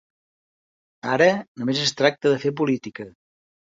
Ara només es tracta de fer política.